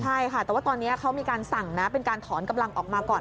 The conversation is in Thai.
ใช่ค่ะแต่ว่าตอนนี้เขามีการสั่งนะเป็นการถอนกำลังออกมาก่อน